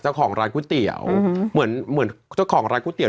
เจ้าของร้านก๋วยเตี๋ยวเหมือนเหมือนเจ้าของร้านก๋วยเตี๋